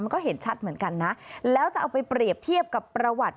ก็เห็นชัดเหมือนกันนะแล้วจะเอาไปเปรียบเทียบกับประวัติ